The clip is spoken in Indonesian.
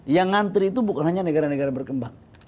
yang ngantri itu bukan hanya negara negara berkembang